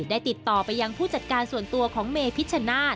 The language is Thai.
ติดต่อไปยังผู้จัดการส่วนตัวของเมพิชชนาธิ